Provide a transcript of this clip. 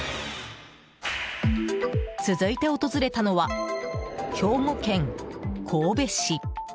続いて訪れたのは、兵庫県神戸市。